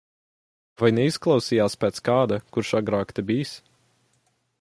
Vai neizklausījās pēc kāda, kurš agrāk te bijis?